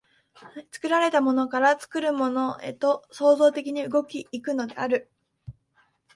作られたものから作るものへと創造的に動き行くのである。